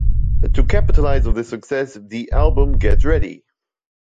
To capitalize on this success, the album Get Ready!